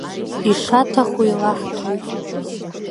Ишаҭаху илаҳҭоит.